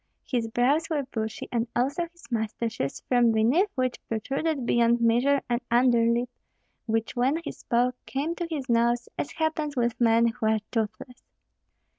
His brows were bushy, and also his mustaches, from beneath which protruded beyond measure an underlip, which when he spoke came to his nose, as happens with men who are toothless.